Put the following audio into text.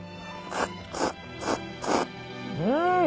うん！